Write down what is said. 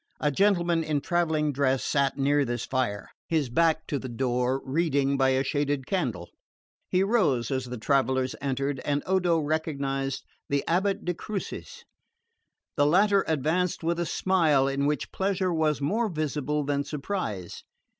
A gentleman in travelling dress sat near this fire, his back to the door, reading by a shaded candle. He rose as the travellers entered, and Odo recognised the abate de Crucis. The latter advanced with a smile in which pleasure was more visible than surprise.